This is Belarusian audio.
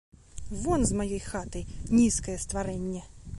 Вон з маёй хаты, нізкае стварэнне!